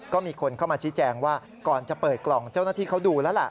ก็มีคนเข้ามาชี้แจงว่าก่อนจะเปิดกล่องเจ้าหน้าที่เขาดูแล้วล่ะ